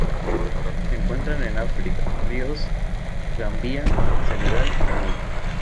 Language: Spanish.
Se encuentran en África: ríos Gambia, Senegal y Níger.